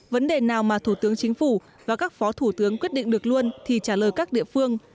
vấn đề nào mà thủ tướng chính phủ và các phó thủ tướng quyết định được luôn thì trả lời các địa phương